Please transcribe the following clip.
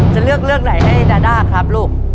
จะเลือกเรื่องไหนให้ดาด้าครับลูก